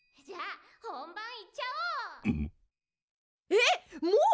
えっもう！？